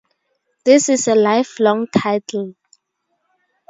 This is a lifelong title.